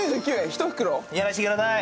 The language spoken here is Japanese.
１袋？やらせてください。